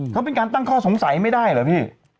เขาเป็นการตั้งข้อสงสัยไม่ได้เหรอพี่